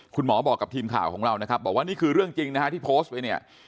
คุณหมอบอกกับทีมข่าวของเรานะครับบอกว่านี่คือเรื่องจริงนะฮะที่โพสต์ไปเนี่ย